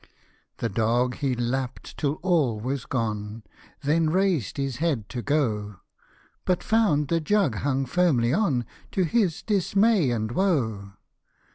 The dog he lapp'd till all was gone, Then raised his head to go ; But found the jug hung firmly on, To his dismay and woe.